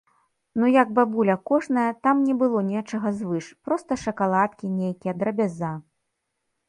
Ну як бабуля кожная, там не было нечага звыш, проста шакаладкі нейкія, драбяза.